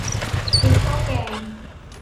กินข้าวแกง